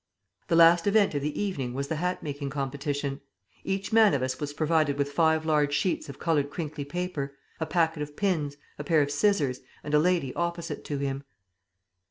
The last event of the evening was the hat making competition. Each man of us was provided with five large sheets of coloured crinkly paper, a packet of pins, a pair of scissors, and a lady opposite to him.